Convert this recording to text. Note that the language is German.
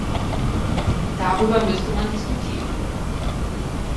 Darüber müsste man diskutieren.